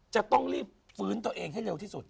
จะต้องรีบฟื้นตัวเองให้เร็วที่สุด